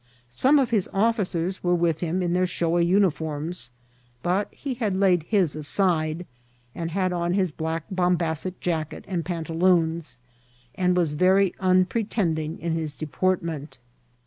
Some of his officers were with him in their showy uniforms, but he had laid his aside, and had on his black bombazet jacket and pantaloons, and was very impretending in his deportment.